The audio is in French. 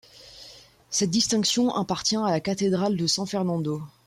Cette distinction appartient à la cathédrale de San Fernando.